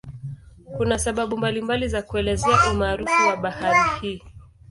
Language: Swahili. Kuna sababu mbalimbali za kuelezea umaarufu wa bahari hii.